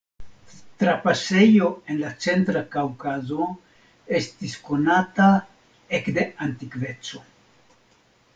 Trapasejo en la centra Kaŭkazo estis konata ekde antikveco.